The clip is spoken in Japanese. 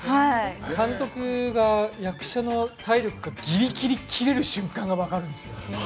監督が役者の体力がギリギリ切れる瞬間が分かるんですよ。